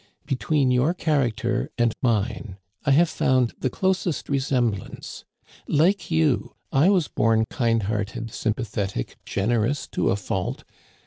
Between your character and mine I have found the closest resemblance. Like you, I was born kind hearted, sympathetic, generous to a fault.